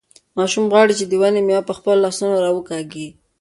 ماشوم غواړي چې د ونې مېوه په خپلو لاسونو راوکاږي.